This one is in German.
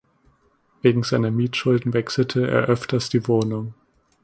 Wegen seiner Mietschulden wechselte er öfters die Wohnung.